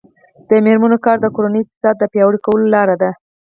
د میرمنو کار د کورنۍ اقتصاد پیاوړی کولو لاره ده.